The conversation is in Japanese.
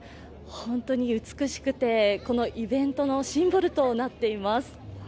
本当に美しくて、このイベントのシンボルとなっています。